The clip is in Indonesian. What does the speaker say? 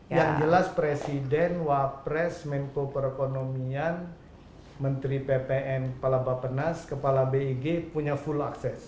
yang jelas presiden wapres menko perekonomian menteri ppn kepala bapak penas kepala big punya full access